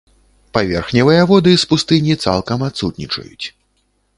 Паверхневыя воды з пустыні цалкам адсутнічаюць.